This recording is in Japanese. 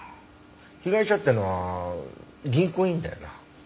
被害者ってのは銀行員だよな？